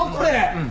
うん。